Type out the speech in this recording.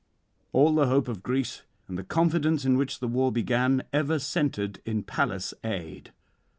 '"All the hope of Greece, and the confidence in which the war began, ever centred in Pallas' aid.